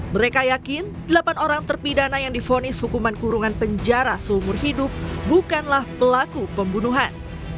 mereka yakin delapan orang terpidana yang difonis hukuman kurungan penjara seumur hidup bukanlah pelaku pembunuhan